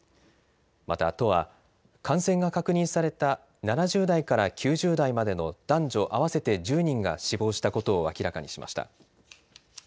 また、都は感染が確認された７０代から９０代までの男女合わせて１０人が死亡したことを明らかにしました。